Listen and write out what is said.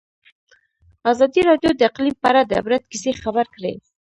ازادي راډیو د اقلیم په اړه د عبرت کیسې خبر کړي.